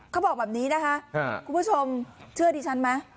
เขาบอกแบบนี้นะคะคุณผู้ชมเชื่อดิฉันไหม